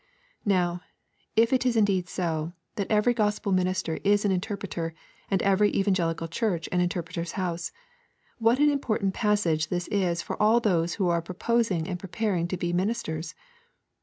Now, if it is indeed so, that every gospel minister is an interpreter, and every evangelical church an interpreter's house, what an important passage this is for all those who are proposing and preparing to be ministers.